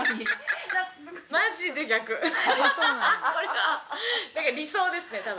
だから理想ですね多分。